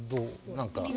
何か。